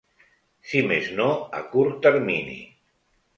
Si més no, a curt termini.